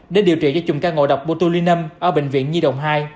để điều trị cho chùm ca ngộ độc botulinum ở bệnh viện nhi đồng hai